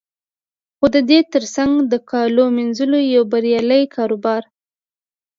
خو د دې تر څنګ د کالو مینځلو یو بریالی کاروبار